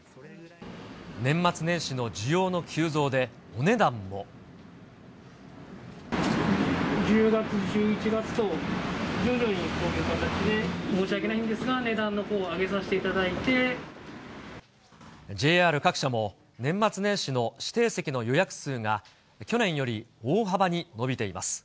年末年始の需要の急増で、１０月、１１月と、徐々にこういう形で、申し訳ないんですが、値段のほうを上げさせていただいＪＲ各社も、年末年始の指定席の予約数が、去年より大幅に伸びています。